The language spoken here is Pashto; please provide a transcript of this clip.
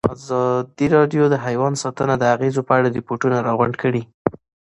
ازادي راډیو د حیوان ساتنه د اغېزو په اړه ریپوټونه راغونډ کړي.